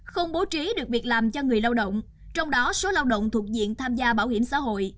không bố trí được việc làm cho người lao động trong đó số lao động thuộc diện tham gia bảo hiểm xã hội